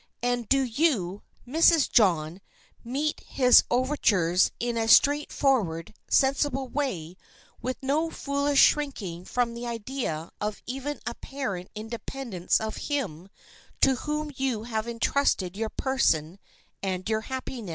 And do you, Mrs. John, meet his overtures in a straightforward, sensible way, with no foolish shrinking from the idea of even apparent independence of him to whom you have entrusted your person and your happiness?